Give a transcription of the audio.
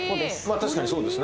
確かにそうですね